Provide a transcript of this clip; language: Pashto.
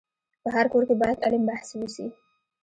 په هر کور کي باید علم بحث وسي.